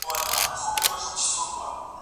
سترګې